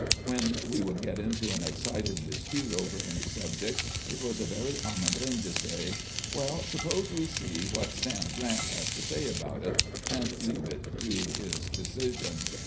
When we would get into an excited dispute over any subject, it was a very common thing to say, ' Well, suppose we see what Sam Grant has to say about it,' and leave it to his decision.